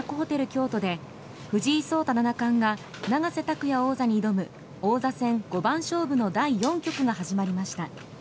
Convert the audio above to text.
京都で藤井聡太七冠が永瀬拓也王座に挑む王座戦五番勝負の第４局が始まりました。